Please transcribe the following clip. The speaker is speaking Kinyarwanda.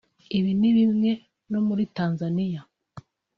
Ibi ni kimwe no muri Tanzania